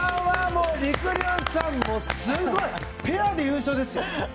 もうりくりゅうさん、すごい！ペアで優勝ですよ。